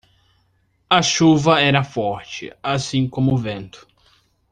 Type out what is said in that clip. A chuva era forte, assim como o vento.